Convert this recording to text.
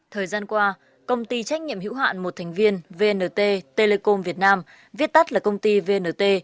thời gian qua công ty trách nhiệm hữu hạn một thành viên vnt telecom việt nam viết tắt là công ty vnt